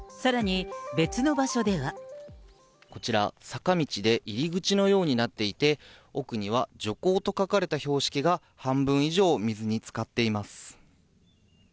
こちら、坂道で入り口のようになっていて、奥には徐行と書かれた標識が半分以上水につかっています。